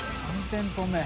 ３店舗目。